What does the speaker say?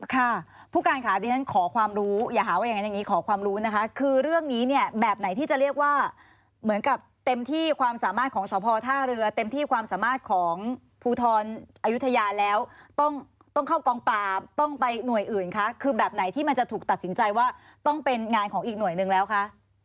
ค่ะผู้การค่ะดิฉันขอความรู้อย่าหาว่าอย่างนั้นอย่างนี้ขอความรู้นะคะคือเรื่องนี้เนี่ยแบบไหนที่จะเรียกว่าเหมือนกับเต็มที่ความสามารถของสพท่าเรือเต็มที่ความสามารถของภูทรอายุทยาแล้วต้องเข้ากองปราบต้องไปหน่วยอื่นคะคือแบบไหนที่มันจะถูกตัดสินใจว่าต้องเป็นงานของอีกหน่วยหนึ่งแล้วคะ